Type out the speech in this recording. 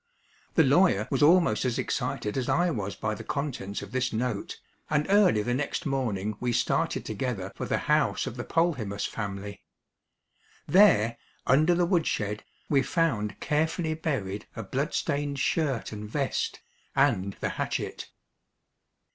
The lawyer was almost as excited as I was by the contents of this note, and early the next morning we started together for the house of the Polhemus family. There, under the woodshed, we found carefully buried a bloodstained shirt and vest, and the hatchet.